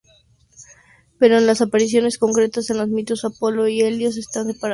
Pero en las apariciones concretas en los mitos, Apolo y Helios están separados.